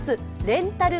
レンタル